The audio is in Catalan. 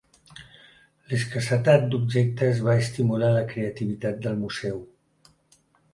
L'escassetat d'objectes va estimular la creativitat del museu.